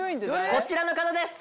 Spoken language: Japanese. こちらの方です！